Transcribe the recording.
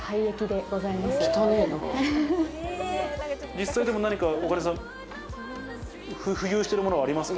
実際、何かオカリナさん、浮遊してるものはありますか？